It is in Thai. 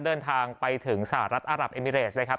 เดินทางไปถึงสหรัฐอารับเอมิเรสนะครับ